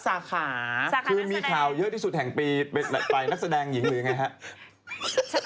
สาขานักสดังอยู่นี่ไหมครับมีข่าวเยอะที่สุดแห่งปีไปนักสดังหรือไงครับ